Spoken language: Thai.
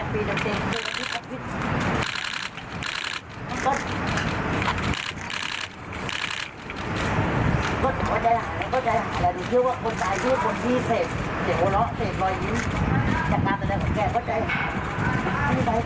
เพราะว่าคนที่เสพเสียงหัวเราะเสพรอยยิ้ม